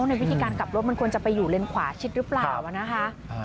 ในวิธีการกลับรถมันควรจะไปอยู่เลนขวาชิดหรือเปล่านะคะ